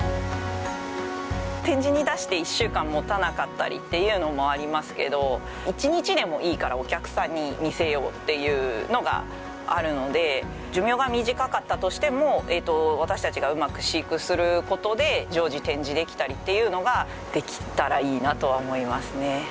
展示に出して１週間もたなかったりっていうのもありますけど一日でもいいからお客さんに見せようっていうのがあるので寿命が短かったとしても私たちがうまく飼育することで常時展示できたりっていうのができたらいいなとは思いますね。